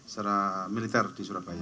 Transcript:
secara militer di surabaya